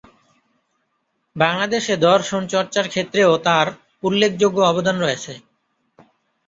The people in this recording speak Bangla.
বাংলাদেশে দর্শন চর্চার ক্ষেত্রেও তাঁর উল্লেখযোগ্য অবদান রয়েছে।